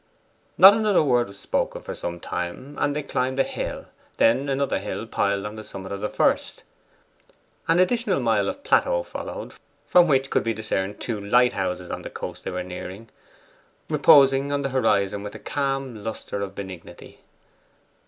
Not another word was spoken for some time, and they climbed a hill, then another hill piled on the summit of the first. An additional mile of plateau followed, from which could be discerned two light houses on the coast they were nearing, reposing on the horizon with a calm lustre of benignity.